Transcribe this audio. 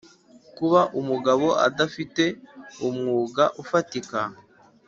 kuba umugabo adafite umwuga ufatika: